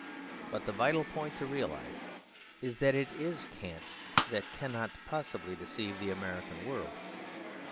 But the vital point to realise is that it is cant that cannot possibly deceive the American world.